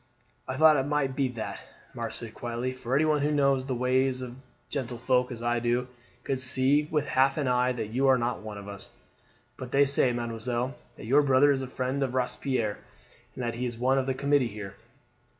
"I thought it might be that," Marthe said quietly; "for anyone who knows the ways of gentlefolk, as I do, could see with half an eye that you are not one of us. But they say, mademoiselle, that your brother is a friend of Robespierre, and that he is one of the committee here."